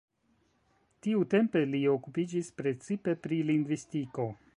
Tiutempe li okupiĝis precipe pri lingvistiko.